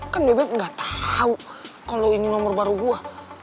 kan bebek gak tau kalo ini nomor baru gua